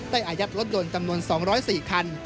อายัดรถยนต์จำนวน๒๐๔คัน